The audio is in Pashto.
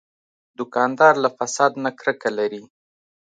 دوکاندار له فساد نه کرکه لري.